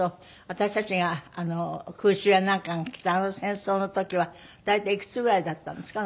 私たちが空襲やなんかが来たあの戦争の時は大体いくつぐらいだったんですか